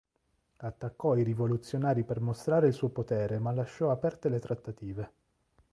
Attaccò i rivoluzionari per mostrare il suo potere ma lasciò aperte le trattative.